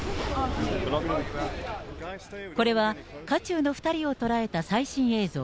これは、渦中の２人を捉えた最新映像。